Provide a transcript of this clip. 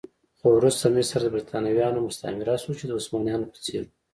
خو وروسته مصر د برېټانویانو مستعمره شو چې د عثمانيانو په څېر و.